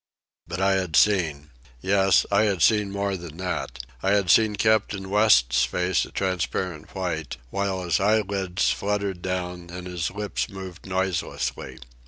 But I had seen. Yes; I had seen more than that. I had seen Captain West's face a transparent white, while his eyelids fluttered down and his lips moved noiselessly.